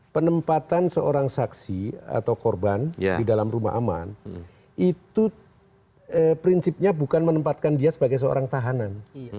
penempatan seorang saksi atau korban di dalam rumah aman itu prinsipnya bukan menempatkan dia sebagai seorang tahanan